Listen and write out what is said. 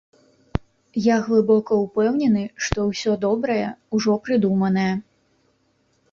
Я глыбока ўпэўнены, што ўсё добрае ўжо прыдуманае.